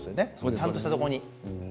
ちゃんとしたところに。